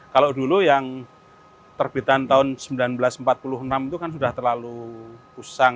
kalau dulu yang terbitan tahun seribu sembilan ratus empat puluh enam itu kan sudah terlalu pusang